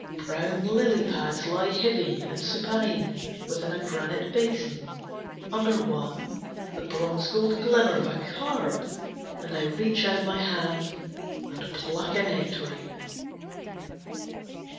Brown lily pads lie heavy and supine Within a granite basin, under one The bronze gold glimmer of a carp; and I Reach out my hand and pluck a nectarine.